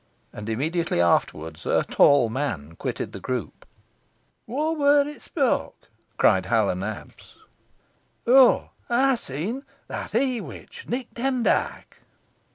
And immediately afterwards a tall man quitted the group. "Whoa wor it spoake?" cried Hal o' Nabs. "Oh, ey seen, that he witch, Nick Demdike."